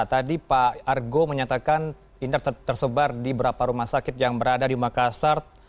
tadi pak argo menyatakan ini tersebar di beberapa rumah sakit yang berada di makassar